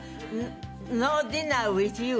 ノーディナーウィズユー。